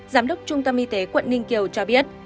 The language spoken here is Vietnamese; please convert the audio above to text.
giám đốc trung tâm y tế quận ninh kiều cho biết